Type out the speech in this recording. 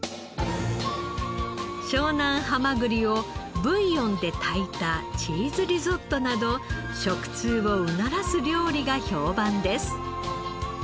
湘南はまぐりをブイヨンで炊いたチーズリゾットなど食通をうならす料理が評判です。